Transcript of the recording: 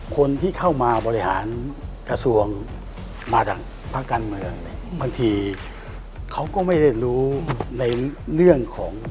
คนที่เข้ามาบริหารกระทรวงมาจากภาคการเมือง